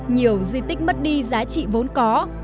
nhiều di tích mất đi giá trị vốn có